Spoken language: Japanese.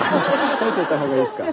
食べちゃった方がいいっすか。